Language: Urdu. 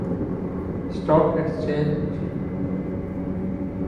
اسٹاک ایکسچینجتی